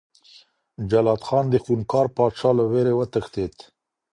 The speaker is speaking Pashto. جلات خان د خونکار پاچا له ویرې وتښتېد.